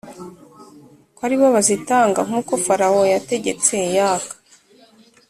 ko ari bo bazitanga nk uko Farawo yategetse Yaka